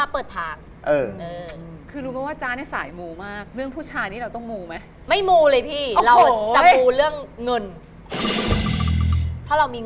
เพราะเราอะ